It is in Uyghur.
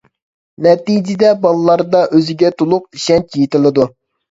نەتىجىدە بالىلاردا ئۆزىگە تولۇق ئىشەنچ يېتىلىدۇ.